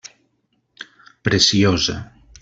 Preciosa.